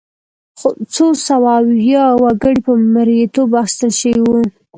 څو سوه ویا وګړي په مریتوب اخیستل شوي وو.